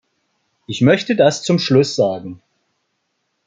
Ich möchte das zum Schluss sagen.